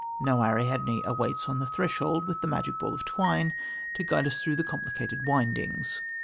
No Ariadne awaits on the threshold with the magic ball of twine to guide us through the complicated windings.